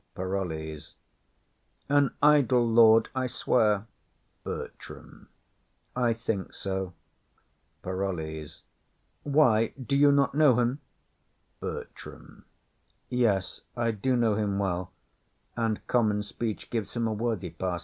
_] PAROLLES. An idle lord, I swear. BERTRAM. I think so. PAROLLES. Why, do you not know him? BERTRAM. Yes, I do know him well; and common speech Gives him a worthy pass.